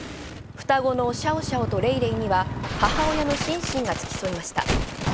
双子のシャオシャオとレイレイには母親のシンシンがつきそった。